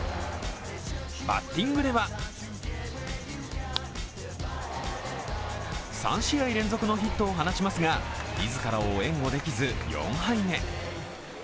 バッティングでは３試合連続のヒットを放ちますが自らを援護できず、４敗目。